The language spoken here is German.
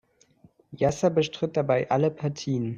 Yasser bestritt dabei alle Partien.